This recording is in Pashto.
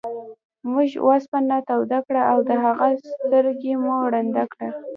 موږ اوسپنه توده کړه او د هغه سترګې مو ړندې کړې.